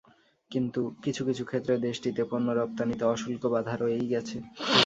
কিন্তু কিছু কিছু ক্ষেত্রে দেশটিতে পণ্য রপ্তানিতে অশুল্ক বাধা রয়েই গেছে।